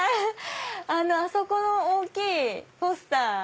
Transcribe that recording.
あそこの大きいポスター。